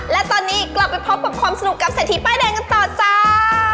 และตอนนี้กลับไปพบกับความสนุกกับเศรษฐีป้ายแดงกันต่อจ้า